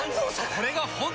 これが本当の。